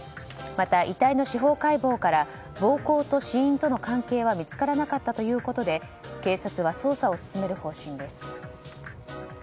また遺体の司法解剖から暴行と死因との関係は見つからなかったということで警察は捜査を進める方針です。